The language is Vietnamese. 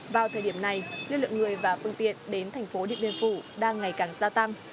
vào thời điểm này lưu lượng người và phương tiện đến thành phố điện biên phủ đang ngày càng gia tăng